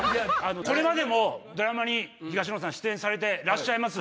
これまでもドラマに東野さん出演されてらっしゃいます。